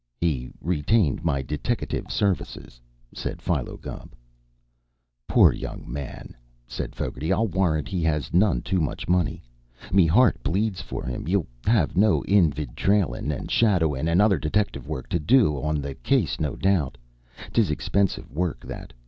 "He retained my deteckative services," said Philo Gubb. "Poor young man!" said Fogarty. "I'll warrant he has none too much money. Me hear rt bleeds for him. Ye'll have no ind iv trailin' an' shadowin' an' other detective wurrk to do awn th' case, no doubt. 'Tis ixpinsive wurrk, that!